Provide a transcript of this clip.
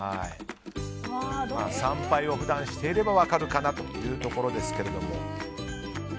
参拝を普段していれば分かるというところですが。